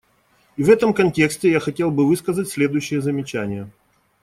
И в этом контексте я хотел бы высказать следующие замечания.